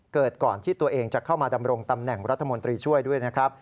เกิดก่อนที่ตัวเองจะเข้ามาดำรงตำแหน่งรัฐมนตรีช่วยด้วยนะครับ